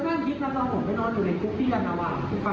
ตอนผมไม่นอนอยู่ในกรุ๊ปที่ยาลาว่า